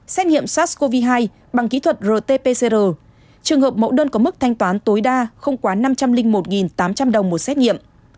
xét nghiệm sars cov hai bằng kỹ thuật rt pcr trường hợp mẫu đơn có mức thanh toán tối đa không quá năm trăm linh một tám trăm linh đồng một xét nghiệm